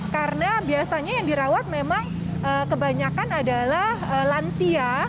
karena biasanya yang dirawat memang kebanyakan adalah lansia